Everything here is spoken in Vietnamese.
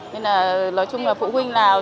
nên là nói chung là phụ huynh nào